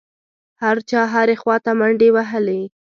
هر چا هرې خوا ته منډې وهلې.